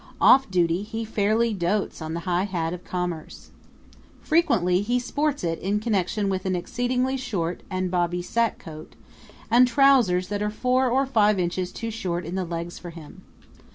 Off duty he fair1y dotes on the high hat of commerce. Frequently he sports it in connection with an exceedingly short and bobby sackcoat, and trousers that are four or five inches too short in the legs for him.